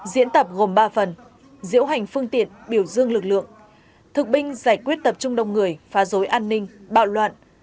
diễn tập gồm ba phần diễu hành phương tiện biểu dương lực lượng thực binh giải quyết tập trung đông người phá dối an ninh bạo loạn